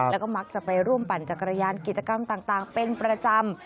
แล้วก็มักจะไปร่วมปั่นจักรยานกิจกรรมต่างเป็นประจำ